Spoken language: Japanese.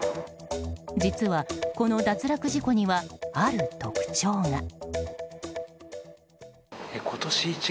実は、この脱落事故にはある特徴が。